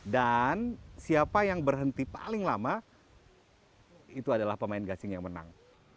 dan siapa yang berhenti paling lama itu adalah pemain gasing yang menang